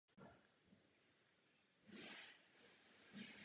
V následujícím roce debutoval na kontinentálním šampionátu.